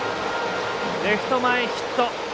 レフト前ヒット！